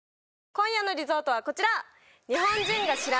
今夜のリゾートはこちら！